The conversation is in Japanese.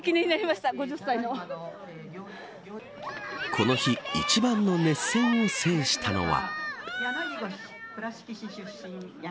この日一番の熱戦を制したのは。